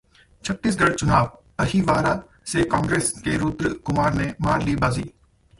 छत्तीसगढ़ चुनाव: अहिवारा से कांग्रेस के रूद्र कुमार ने मार ली बाजी